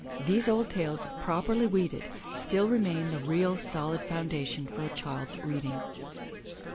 These old tales, properly weeded, still remain the real solid foundation for a child's reading.